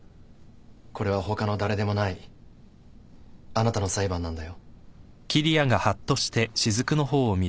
これは他の誰でもないあなたの裁判なんだよ。